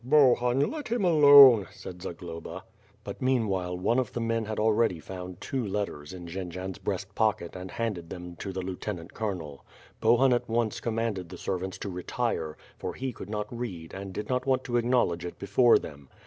"Bohun, let him alone," said Zagloba. But meanwhile one of the men had already found two let ters in Jendzian 's breast pocket and handed them to the lieu tenant colonel. Bohun at once commanded the servants to retire, for he could not read and did not want to acknowledge it before them.